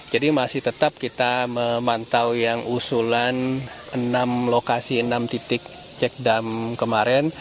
jadi masih tetap kita memantau yang usulan enam lokasi enam titik cek dam kemarin